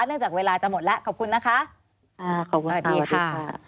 เนื่องจากเวลาจะหมดแล้วขอบคุณนะคะ